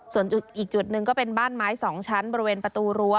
ส่วนอีกจุดหนึ่งก็เป็นบ้านไม้๒ชั้นบริเวณประตูรั้ว